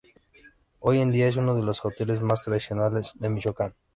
Hoy en día en uno de los hoteles más tradicionales de Michoacán.